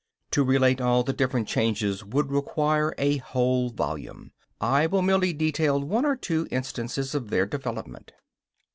To relate all the different changes would require a whole volume; I will merely dwell on one or two instances of their development.